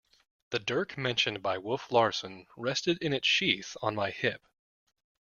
The dirk mentioned by Wolf Larsen rested in its sheath on my hip.